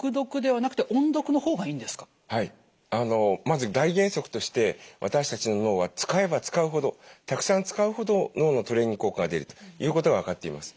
まず大原則として私たちの脳は使えば使うほどたくさん使うほど脳のトレーニング効果が出るということが分かっています。